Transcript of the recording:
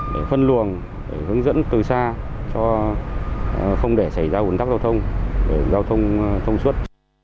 để phân luồng hướng dẫn từ xa không để xảy ra ủn tắc giao thông để giao thông thông suốt